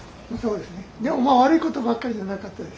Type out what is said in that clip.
でもまあ悪いことばっかりじゃなかったです。